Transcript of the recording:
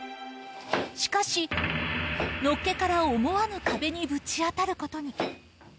しかし、のっけから思わぬ壁にぶち当たることに。